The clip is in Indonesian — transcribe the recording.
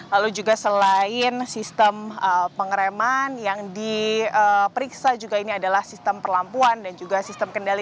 lalu juga selain sistem pengereman yang diperiksa juga ini adalah sistem perlampuan dan juga sistem kendali